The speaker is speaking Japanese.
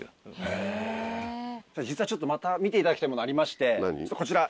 実はちょっとまた見ていただきたいものありましてこちら。